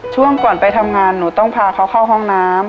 ช่วงก่อนไปทำงานหนูต้องพาเขาเข้าห้องน้ำ